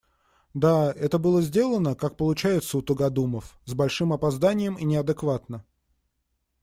Да, это было сделано, как получается у тугодумов, с большим опозданием и неадекватно.